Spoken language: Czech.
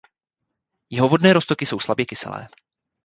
Jeho vodné roztoky jsou slabě kyselé.